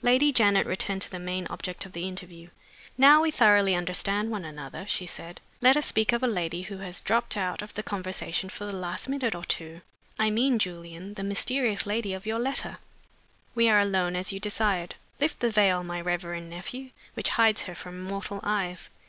Lady Janet returned to the main object of the interview. "Now we thoroughly understand one another," she said, "let us speak of a lady who has dropped out of the conversation for the last minute or two. I mean, Julian, the mysterious lady of your letter. We are alone, as you desired. Lift the veil, my reverend nephew, which hides her from mortal eyes!